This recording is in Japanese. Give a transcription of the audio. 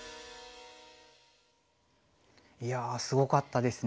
いやすごかったですね。